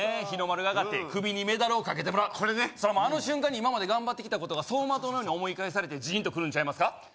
日の丸があがって首にメダルをかけてもらうこれねあの瞬間に今まで頑張ってきたことが走馬灯のように思い返されてジーンとくるんちゃいますか？